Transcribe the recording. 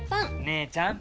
姉ちゃん！